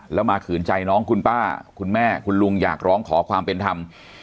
แล้วมาขืนใจน้องคุณป้าคุณแม่คุณลุงอยากร้องขอความเป็นธรรม